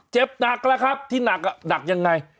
เจ็บหนักที่หนักอย่างไร